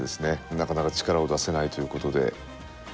なかなか力を出せないということで。